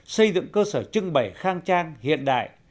xây dựng cơ sở trưng bày khang trang hiện đại